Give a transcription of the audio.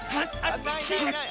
ないないない！